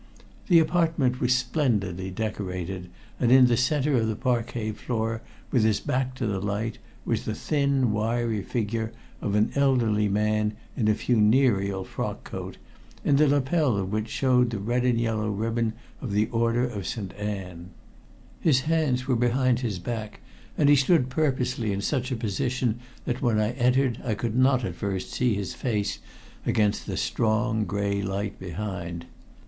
The apartment was splendidly decorated, and in the center of the parquet floor, with his back to the light, was the thin, wiry figure of an elderly man in a funereal frock coat, in the lapel of which showed the red and yellow ribbon of the Order of Saint Anne. His hands were behind his back, and he stood purposely in such a position that when I entered I could not at first see his face against the strong, gray light behind.